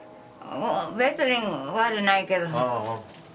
別に悪うないけど。